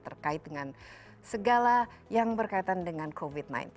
terkait dengan segala yang berkaitan dengan covid sembilan belas